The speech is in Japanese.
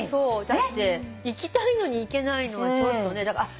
だって行きたいのに行けないのはちょっとね。